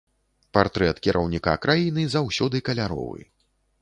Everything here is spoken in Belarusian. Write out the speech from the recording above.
Партрэт кіраўніка краіны заўсёды каляровы.